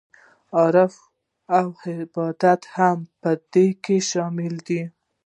عرف او عادت هم په دې کې شامل دي.